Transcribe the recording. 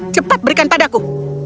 cepat berikan padaku